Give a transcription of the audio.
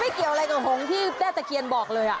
ไม่เกี่ยวอะไรกับหงษ์ที่แกตะเคียนบอกเลยอ่ะ